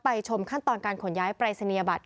ชมขั้นตอนการขนย้ายปรายศนียบัตร